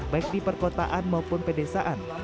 baik di perkotaan maupun pedesaan